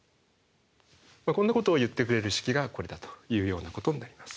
こんなことを言ってくれる式がこれだというようなことになります。